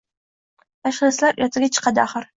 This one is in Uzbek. Tashxislar ertaga chiqadi axir.